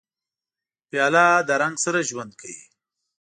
پیاله له رنګ سره ژوند کوي.